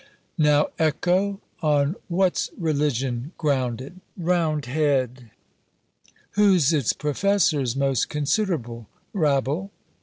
Now, Echo, on what's religion grounded? Round head! Whose its professors most considerable? _Rabble!